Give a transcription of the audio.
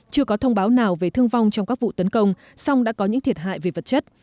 chưa có thông báo nào về thương vong trong các vụ tấn công song đã có những thiệt hại về vật chất